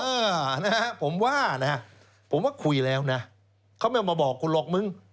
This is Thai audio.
เออนะฮะผมว่านะฮะผมว่าคุยแล้วนะเขาไม่มาบอกคุณหรอกมึง